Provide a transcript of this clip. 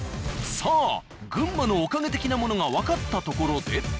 さあ群馬のおかげ的なものがわかったところで。